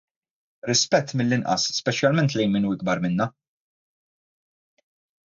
Rispett mill-inqas, speċjalment lejn min hu ikbar minnha.